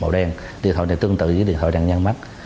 màu đen điện thoại này tương tự với điện thoại nạn nhân mất